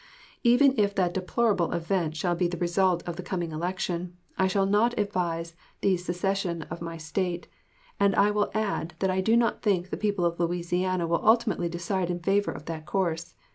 Even if that deplorable event shall be the result of the coming election, I shall not advise the secession of my State, and I will add that I do not think the people of Louisiana will ultimately decide in favor of that course.